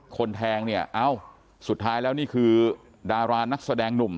คนแทงเนี่ยเอ้าสุดท้ายแล้วนี่คือดารานักแสดงหนุ่ม